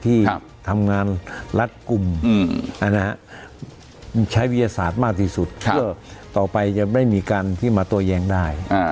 ที่ทำงานรัดกลุ่มใช้วิทยาศาสตร์มากที่สุดเพื่อต่อไปจะไม่มีการที่มาตัวแย้งได้